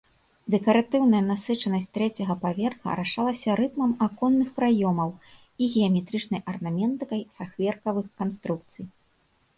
Дэкаратыўная насычанасць трэцяга паверха рашалася рытмам аконных праёмаў і геаметрычнай арнаментыкай фахверкавых канструкцый.